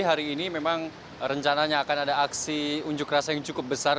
hari ini memang rencananya akan ada aksi unjuk rasa yang cukup besar